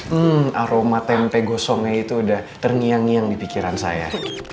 hmm aroma tempe gosongnya itu udah terngiang ngiang di pikiran saya